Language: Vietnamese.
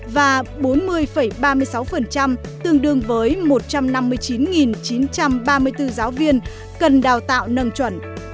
và bốn mươi ba mươi sáu tương đương với một trăm năm mươi chín chín trăm ba mươi bốn giáo viên cần đào tạo nâng chuẩn